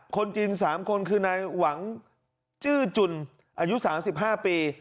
คนจีน๓คนคือนายหวังจื้อจุ่นอายุ๓๕ปี